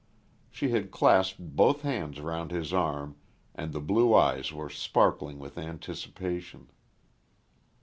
She had clasped both hands round his arm and the blue eyes were sparkling with anticipation.